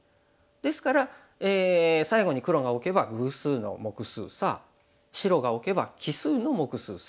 ですから最後に黒が置けば偶数の目数差白が置けば奇数の目数差。